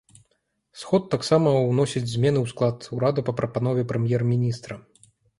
Сход таксама ўносіць змены ў склад урада па прапанове прэм'ер-міністра.